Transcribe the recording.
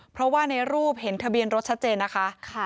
เพราะว่าในรูปเห็นทะเบียนรถชัดเจนนะคะ